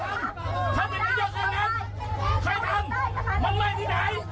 เขาทำเขาเป็นอัยกรรมงานใครทำมันไหมที่ไหน